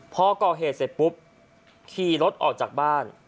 พอก่อเหตุเสร็จปุ๊บขี่รถออกจากบ้าน